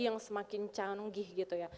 yang semakin canggih gitu ya